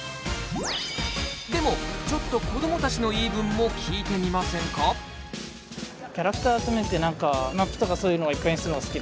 でもちょっと子どもたちの言い分も聞いてみませんか？って思う時あるんですよ。